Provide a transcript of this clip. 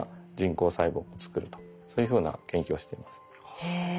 へえ。